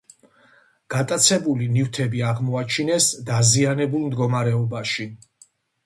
გატაცებული ნივთები აღმოაჩინეს დაზიანებულ მდგომარეობაში.